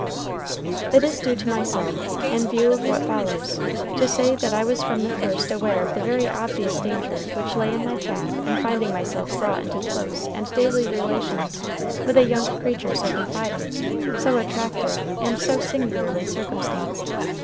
It is due to myself, in view of what follows, to say that I was from the first aware of the very obvious danger which lay in my path in finding myself brought into close and daily relations with a young creature so confiding, so attractive, and so singularly circumstanced.